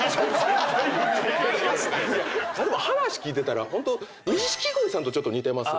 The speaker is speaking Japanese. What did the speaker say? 話聞いてたらホント錦鯉さんとちょっと似てますよね。